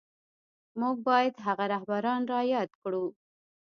موږ بايد هغه رهبران را ياد کړو.